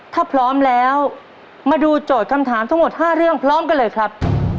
ถ้าพร้อมแล้วมาดูโจทย์คำถามทั้งหมด๕เรื่องพร้อมกันเลยครับ